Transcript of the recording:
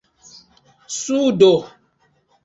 sudo